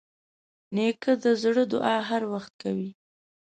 نیکه د زړه دعا هر وخت کوي.